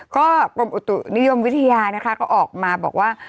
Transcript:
ก็กรมอุตุนิยมวิทยานะคะก็ออกมาบอกว่า